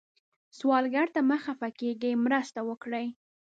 سوالګر ته مه خفه کېږئ، مرسته وکړئ